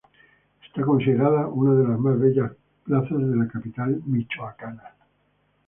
Está considerada una de las mas bellas plazas de la capital Michoacana.